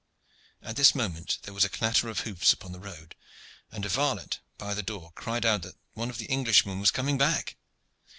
At this moment there was a clatter of hoofs upon the road, and a varlet by the door cried out that one of the Englishmen was coming back.